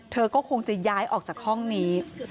เธอก็คงจะย้ายออกจากห้องนี้